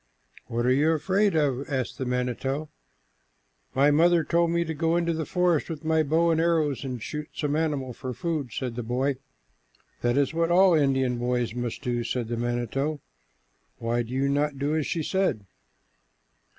"What are you afraid of?" asked the manito. "My mother told me to go into the forest with my bow and arrows and shoot some animal for food," said the boy. "That is what all Indian boys must do," said the manito. "Why do you not do as she said?"